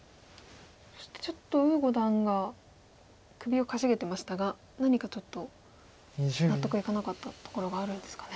そしてちょっと呉五段が首をかしげてましたが何かちょっと納得いかなかったところがあるんですかね。